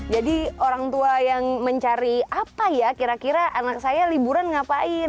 jadi orang tua yang mencari apa ya kira kira anak saya liburan ngapain